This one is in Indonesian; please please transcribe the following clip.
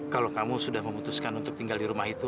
kalau kamu sudah memutuskan untuk tinggal di rumah itu